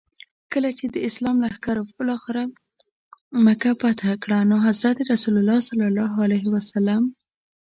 کله چي د اسلام لښکرو بالاخره مکه فتح کړه نو حضرت رسول ص.